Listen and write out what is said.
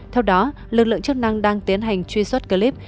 theo đó lực lượng chức năng đang tiến hành truy xuất clip